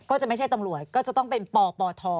ก็จะไม่ใช่ตำรวจก็จะต้องเป็นปปท